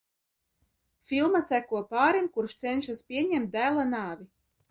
Filma seko pārim, kurš cenšas pieņemt dēla nāvi.